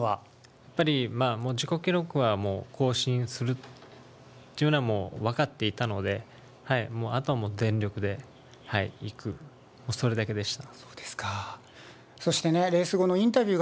やっぱり自己記録はもう更新するというようなのはもう分かっていたので、あとは全力でいく、それだけでした。